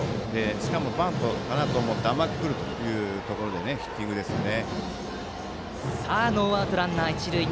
しかもバントかなと思って甘く来るだろうと思ってからのヒッティングですよね。